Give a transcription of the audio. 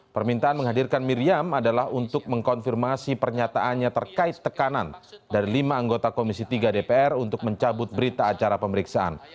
permintaan menghadirkan miriam adalah untuk mengkonfirmasi pernyataannya terkait tekanan dari lima anggota komisi tiga dpr untuk mencabut berita acara pemeriksaan